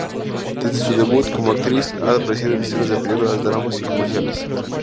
Desde su debut como actriz, ha aparecido en decenas de películas, dramas y comerciales.